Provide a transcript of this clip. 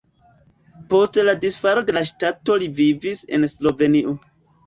Post la disfalo de la ŝtato li vivis en Slovenio.